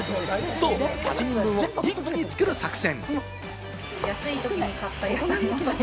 ８人分を一気に作る作戦。